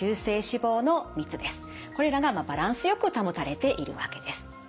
これらがバランスよく保たれているわけです。